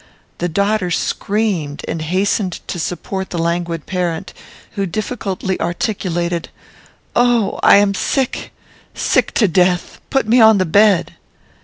The daughter screamed, and hastened to support the languid parent, who difficultly articulated, "Oh, I am sick; sick to death. Put me on the bed."